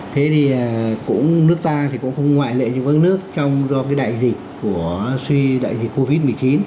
thế thì nước ta thì cũng không ngoại lệ như các nước trong do cái đại dịch của suy đại dịch covid một mươi chín